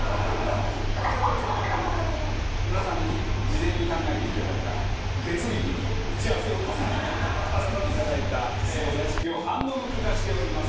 木村さんに事前に考えていただいた別日に打ち合わせを重ね作っていただいたレシピをハンドブック化しております。